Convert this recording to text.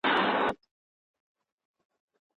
د اقلیم د بدلون په اړه نړیوال غبرګون پیاوړی کیږي.